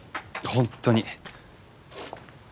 本当に。